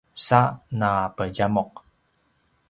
sa napedjamuq